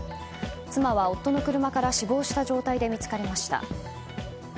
妻は夫の車から死亡した状態で見つかりました。